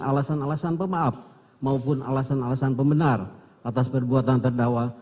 alasan alasan pemaaf maupun alasan alasan pembenar atas perbuatan terdakwa